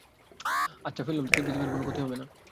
আচ্ছা, ফেললুম, তাতে পৃথিবীর কোনা ক্ষতি হবে না।